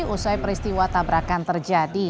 usai peristiwa tabrakan terjadi